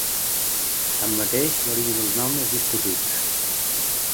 Tanmateix, l'origen del nom és discutit.